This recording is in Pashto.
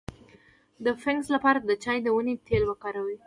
د فنګس لپاره د چای د ونې تېل وکاروئ